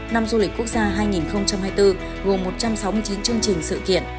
năm du lịch quốc gia hai nghìn hai mươi bốn gồm một trăm sáu mươi chín chương trình sự kiện